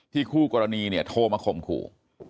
คู่กรณีเนี่ยโทรมาข่มขู่